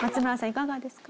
いかがですか？